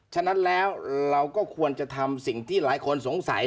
ฉะนั้นแล้วเราก็ควรจะทำสิ่งที่หลายคนสงสัย